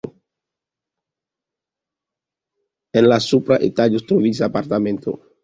En la supra etaĝo troviĝis apartamento.